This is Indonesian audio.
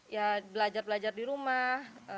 ya belajar belajar di rumah